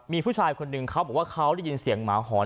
มีผู้ชายคนหนึ่งเขาบอกว่าเขาได้ยินเสียงหมาหอน